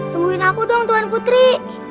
sungguhin aku dong tuan putri